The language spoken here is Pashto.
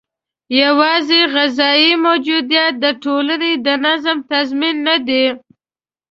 یوازې غذايي موجودیت د ټولنې د نظم تضمین نه دی.